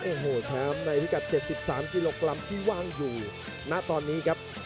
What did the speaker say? โอ้โหแชมป์ในพิกัด๗๓กิโลกรัมที่ว่างอยู่ณตอนนี้ครับ